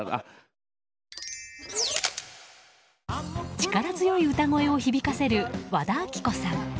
力強い歌声を響かせる和田アキ子さん。